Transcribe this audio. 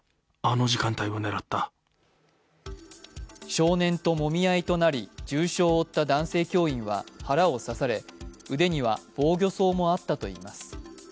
少年ともみ合いとなり、重傷を負った男性教員は腹を刺され、腕には防御創もあったといいます。